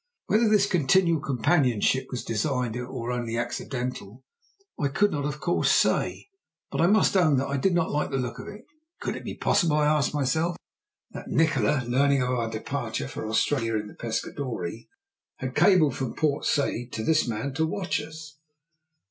Whether this continual companionship was designed or only accidental, I could not of course say, but I must own that I did not like the look of it. Could it be possible, I asked myself, that Nikola, learning our departure for Australia in the Pescadore, had cabled from Port Said to this man to watch us?